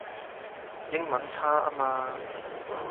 英文差吖嘛